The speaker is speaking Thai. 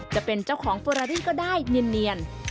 จะเป็นเจ้าของเฟอรารี่ก็ได้เนียน